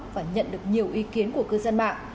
và nhận được nhiều ý kiến của cư dân mạng